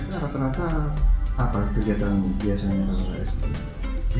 mereka rata rata apa kegiatan biasanya